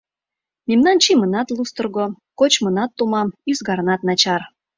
Мемнан чийымынат лустырго, кочмынат томам, ӱзгарнат начар.